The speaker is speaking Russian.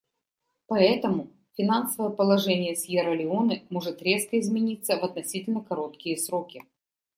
Поэтому финансовое положение Сьерра-Леоне может резко измениться в относительно короткие сроки.